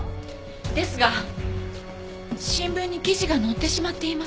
ですが新聞に記事が載ってしまっています。